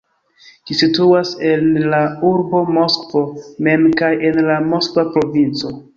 Ĝi situas en la urbo Moskvo mem kaj en la Moskva provinco.